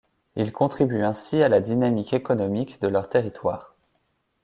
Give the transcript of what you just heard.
Ils contribuent ainsi à la dynamique économique de leur territoire.